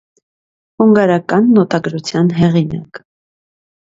Հունգարական նոտագրության հեղինակ։